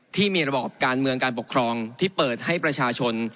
ที่มีระบอบการเมืองการปกครองที่เปิดให้ประชาชน